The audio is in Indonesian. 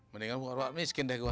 mendingan orang miskin deh gue